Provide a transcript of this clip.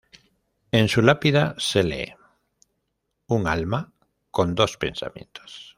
En su lápida se lee: "Un alma con dos pensamientos.